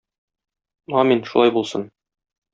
Амин, шулай булсын.